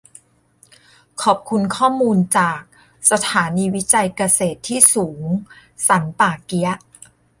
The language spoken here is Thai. ขอบคุณข้อมูลจาก สถานีวิจัยเกษตรที่สูงสันป่าเกี๊ยะ